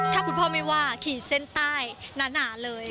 ถ้าคุณพ่อไม่ว่าขีดเส้นใต้หนาเลย